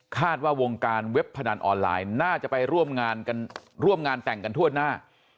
คาดว่าวงการเว็บพนันออนไลน์น่าจะไปร่วมงานแต่งกันทั่วหน้า